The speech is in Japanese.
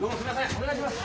お願いします。